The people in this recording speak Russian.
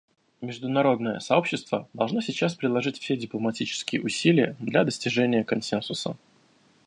Международное сообщество должно сейчас приложить все дипломатические усилия для достижения консенсуса.